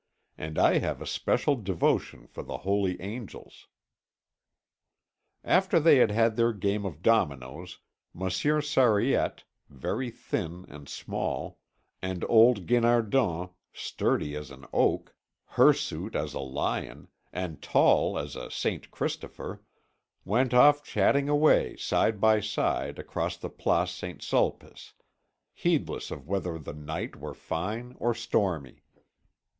"And I have a special devotion for the Holy Angels." After they had had their game of dominoes, Monsieur Sariette, very thin and small, and old Guinardon, sturdy as an oak, hirsute as a lion, and tall as a Saint Christopher, went off chatting away side by side across the Place Saint Sulpice, heedless of whether the night were fine or stormy.